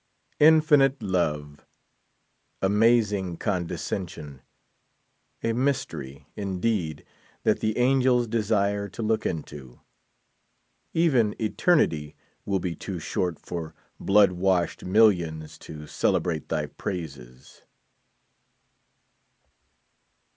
Infinite love ! Amaz ing condescension ! A mystery, indeed, that the angels desire to look into. Even eternity will be too short for blood washed millions to celebrate thy praises.